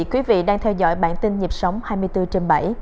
quý vị đang theo dõi bản tin nhịp sống hai mươi bốn trên bảy